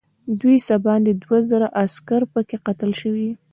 دوی څه باندې دوه زره عسکر پکې قتل شوي.